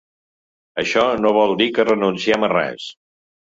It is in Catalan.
Això no vol dir que renunciem a res.